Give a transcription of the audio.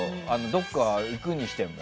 どこか行くにしても。